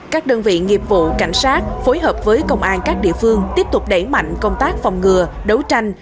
các đơn vị nghiệp vụ cảnh sát phối hợp với công an các địa phương tiếp tục đẩy mạnh công tác phòng ngừa đấu tranh